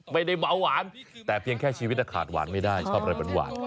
ไม่ได้เบาหวานแต่เพียงแค่ชีวิตขาดหวานไม่ได้ชอบอะไรหวาน